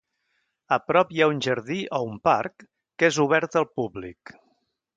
A prop hi ha un jardí o un parc, que és obert al públic.